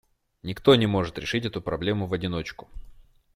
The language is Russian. Никто не может решить эту проблему в одиночку.